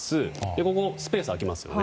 ここにスペースが空きますよね。